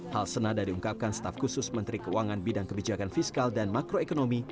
hal senada diungkapkan staf khusus menteri keuangan bidang kebijakan fiskal dan makroekonomi